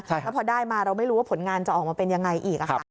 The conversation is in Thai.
แล้วพอได้มาเราไม่รู้ว่าผลงานจะออกมาเป็นยังไงอีก